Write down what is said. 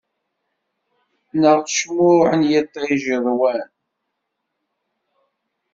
Neɣ cmuɛ n yiṭij yeḍwan.